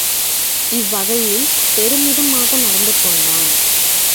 இவ்வகையில் பெருமிதமாக நடந்து கொண்டான்.